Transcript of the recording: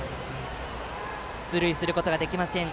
出塁することができません。